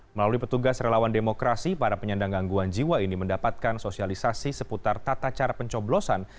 melalui petugas relawan demokrasi para penyandang gangguan jiwa ini mendapatkan sosialisasi seputar tata cara pencoblosan